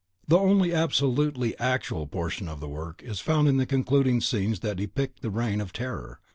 The only absolutely Actual portion of the work is found in the concluding scenes that depict the Reign of Terror.